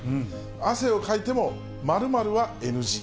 汗をかいても○○はＮＧ。